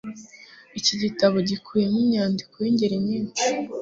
Iki gitabo gikubiyemo imyandiko y'ingeri nyinshi